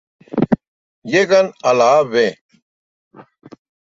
Llegan a la Av.